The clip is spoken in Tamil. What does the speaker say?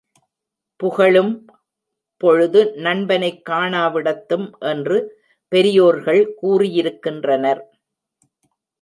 புகழும் பொழுது, நண்பனைக் காணாவிடத்தும் என்று பெரியோர்கள் கூறியிருக்கின்றனர்.